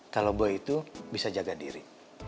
kalau boy itu bisa jaga diri